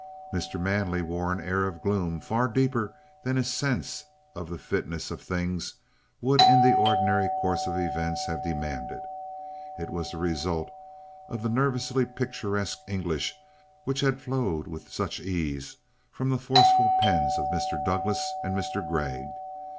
Mr. Manley wore an air of gloom far deeper than his sense of the fitness of things would in the ordinary course of events have demanded. It was the result of the nervously picturesque English which had flowed with such ease from the forceful pens of Mr. Douglas and Mr. Gregg.